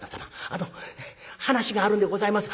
あの話があるんでございます。